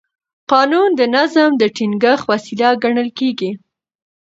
قانون د نظم د ټینګښت وسیله ګڼل کېږي.